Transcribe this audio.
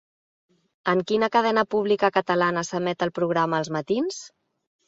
En quina cadena pública catalana s'emet el programa 'Els matins'?